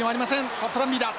パットランビーだ！